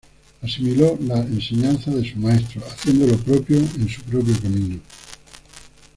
Asimiló las enseñanzas de su maestro haciendo lo propio en su propio camino.